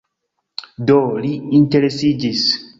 Do, li interesiĝis